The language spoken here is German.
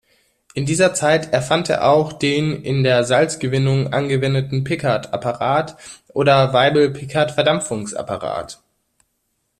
In dieser Zeit erfand er auch den in der Salzgewinnung angewendeten "Piccard-Apparat" oder "Weibel-Piccard-Verdampfungsapparat".